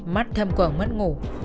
mắt thâm quẩn mất ngủ